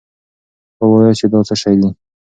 وواياست چې دا څه شی دی.